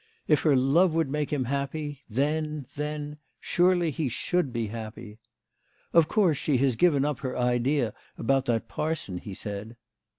If her love would make him happy, then, then, surely he should be happy. " Of course she has given up her idea about that par son," he said.